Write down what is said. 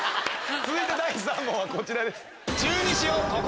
続いて第３問はこちらです。